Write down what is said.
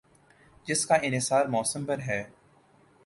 جس کا انحصار موسم پر ہے ۔